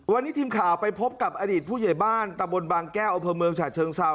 วันนี้ทีมข่าวไปพบกับอดีตผู้เหยียบ้านจะบนบางแก้อัพเมิงชาจเชิงเซา